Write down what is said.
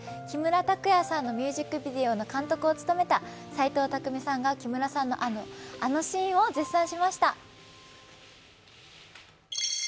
木村拓哉さんのミュージックビデオの監督を務めた斎藤工さんが木村さんのあのシーンを絶賛しました。